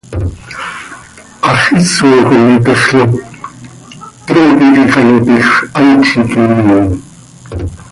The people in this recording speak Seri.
Hax isoj itexl oo, trooqui quij ano tiij, hant z iiqui miin.